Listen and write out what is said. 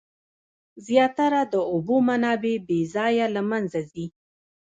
زیاتره د اوبو منابع بې ځایه له منځه ځي.